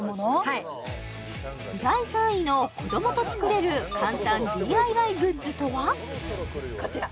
はい第３位の子どもと作れる簡単ＤＩＹグッズとは？こちら！